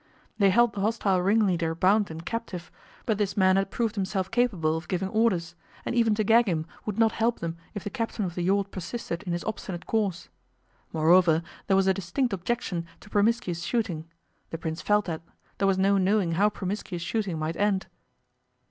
They held the hostile ringleader bound and captive, but this man had proved himself capable of giving orders, and even to gag him would not help them if the captain of the yacht persisted in his obstinate course. Moreover, there was a distinct objection to promiscuous shooting. The Prince felt that there was no knowing how promiscuous shooting might end.